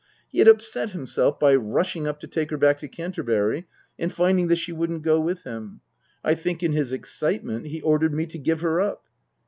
(He had upset himself by rushing up to take her back to Canterbury, and finding that she wouldn't go with him.) I think, in his excitement, he ordered me to give her up.